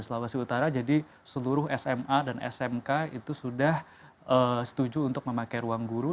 sulawesi utara jadi seluruh sma dan smk itu sudah setuju untuk memakai ruang guru